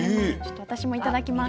私もいただきます。